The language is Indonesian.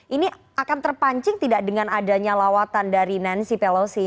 ini akan terpancing tidak dengan adanya lawatan dari nancy pelosi